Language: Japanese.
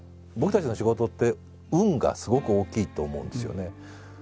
僕たちの仕事って運がすごく大きいと思うんですよね。